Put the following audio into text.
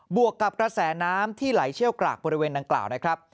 วกกับกระแสน้ำที่ไหลเชี่ยวกรากบริเวณดังกล่าวนะครับ